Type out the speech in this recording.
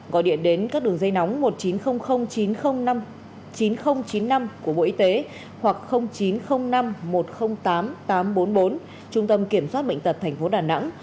gọi điện đến các đường dây nóng một nghìn chín trăm linh chín trăm linh năm chín nghìn chín mươi năm của bộ y tế hoặc chín trăm linh năm một trăm linh tám tám trăm bốn mươi bốn trung tâm kiểm soát bệnh tật tp đà nẵng